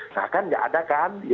nah kan nggak ada kan